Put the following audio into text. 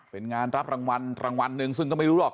เป็นงานรับรางวัลรางวัลหนึ่งซึ่งก็ไม่รู้หรอก